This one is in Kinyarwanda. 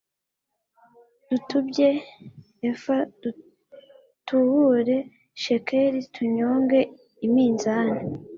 dutubye efa dutubure shekeli tunyonge iminzani